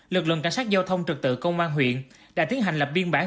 lực lượng cảnh sát giao thông trực tự công an huyện đã tiến hành lập biên bản